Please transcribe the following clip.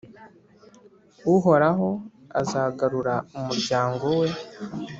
Uhoraho azagarura umuryango we